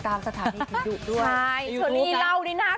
ใช่สวัสดีอีเหล่านี่น่ากลัวมาก